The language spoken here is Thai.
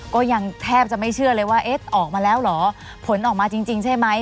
ก็ยังแทบจะไม่เชื่อเลยว่าเอ๊ะออกมาแล้วเหรอผลออกมาจริงใช่ไหม